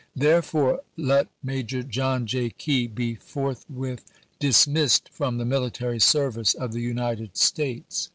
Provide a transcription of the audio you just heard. Therefore let Major John J. Key be forth with dismissed from the military service of the United States.